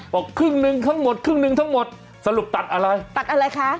บอกครึ่งหนึ่งทั้งหมดครึ่งหนึ่งทั้งหมดสรุปตัดอะไรตัดอะไรคะ